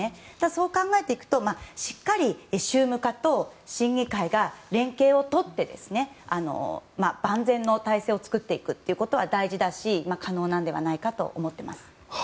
そう考えていくとしっかり宗務課と審議会が連携を取って万全の体制を作っていくことは大事だし、可能なのではないかと思っています。